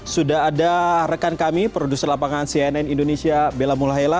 sudah ada rekan kami produser lapangan cnn indonesia bella mulahela